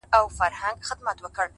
سیاه پوسي ده؛ برباد دی؛